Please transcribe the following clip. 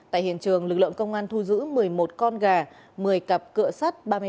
tại hiện trường lực lượng công an thu giữ một mươi một con gà một mươi cặp cựa sắt